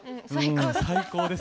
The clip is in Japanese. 最高です。